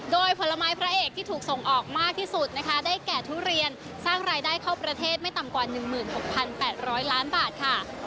โดยผลไม้พระเอกที่ถูกส่งออกมากที่สุดนะคะได้แก่ทุเรียนสร้างรายได้เข้าประเทศไม่ต่ำกว่า๑๖๘๐๐ล้านบาทค่ะ